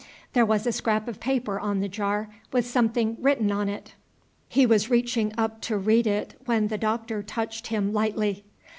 There was a scrap of paper on the jar, with something written on it. He was reaching up to read it when the Doctor touched him lightly.